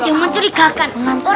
jangan curiga kan